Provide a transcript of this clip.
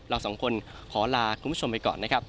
เราสองคนขอลาคุณผู้ชมไปก่อนนะครับ